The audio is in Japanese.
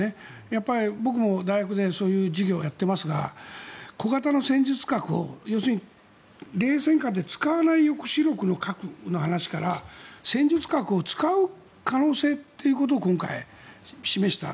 やっぱり、僕も大学でそういう授業をやってますが小型の戦術核を冷戦下で使えない抑止力の核から戦術核を使う可能性ということを今回、示した。